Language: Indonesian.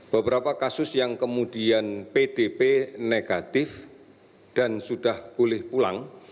beberapa kasus yang kemudian pdp negatif dan sudah boleh pulang